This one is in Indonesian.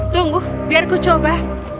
tunggu biar kucoba